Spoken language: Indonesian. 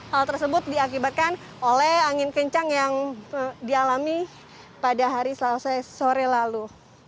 hal tersebut diakibatkan oleh angin kencang yang dialami pada hari selasa sore lalu